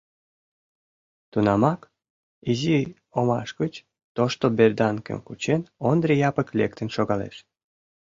Тунамак изи омаш гыч, тошто берданкым кучен, Ондри Япык лектын шогалеш.